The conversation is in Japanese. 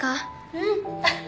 うん！